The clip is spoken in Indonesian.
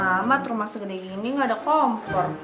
samat rumah segede ini gak ada kompor